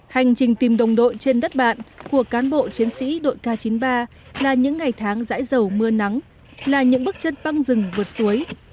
hành trình tìm đồng đội trên đất bạn của cán bộ chiến sĩ đội k chín mươi ba là những ngày tháng rãi dầu mưa nắng là những bước chân băng rừng vượt suối